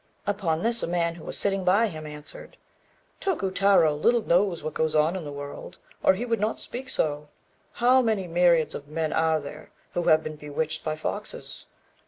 Upon this a man who was sitting by him answered "Tokutarô little knows what goes on in the world, or he would not speak so. How many myriads of men are there who have been bewitched by foxes?